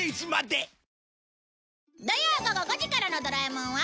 土曜午後５時からの『ドラえもん』は